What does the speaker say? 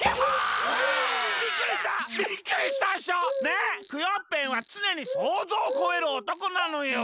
ねっクヨッペンはつねにそうぞうをこえるおとこなのよ。